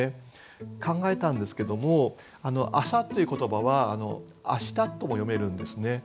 考えたんですけども「朝」という言葉は「あした」とも読めるんですね。